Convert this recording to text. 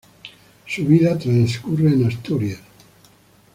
Su vida transcurre en Asturias.